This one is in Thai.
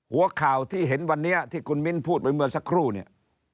หัวข่าวที่เห็นวันนี้ที่คุณมิ้นพูดไปเมื่อสักครู่เนี่ย